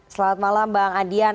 selamat malam bang adian